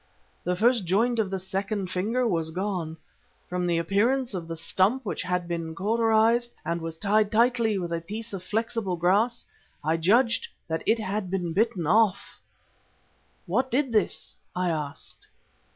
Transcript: The first joint of the second finger was gone. From the appearance of the stump which had been cauterized and was tied tightly with a piece of flexible grass, I judged that it had been bitten off. "'What did this?' I asked.